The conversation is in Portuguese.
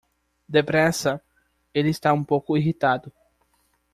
Depressa, ele está um pouco irritado.